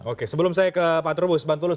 oke sebelum saya ke pak turbus bantulus